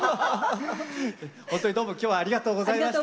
ほんとにどうも今日はありがとうございました。